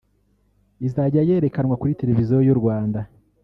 Izajya yerekanwa kuri Televiziyo y’u Rwanda